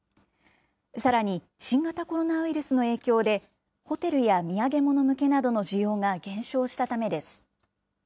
さらに新型コロナウイルスの影響で、ホテルや土産物向けなどの需要が減少したためです。